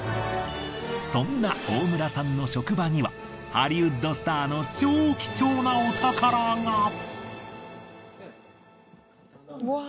そんな大村さんの職場にはハリウッドスターの超貴重なお宝が！